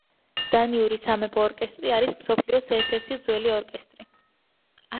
დანიური სამეფო ორკესტრი არის მსოფლიოს ერთ-ერთი ძველი ორკესტრი.